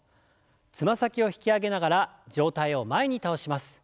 つま先を引き上げながら上体を前に倒します。